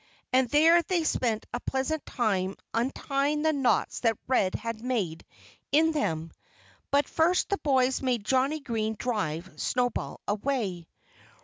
And there they spent a pleasant time untying the knots that Red had made in them. But first the boys made Johnnie Green drive Snowball away.